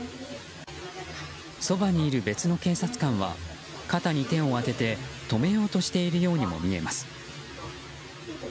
そばにいる別の警察官は肩に手を当てて止めようとしているようにも見えます。